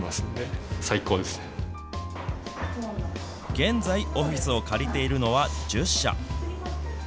現在、オフィスを借りているのは１０社。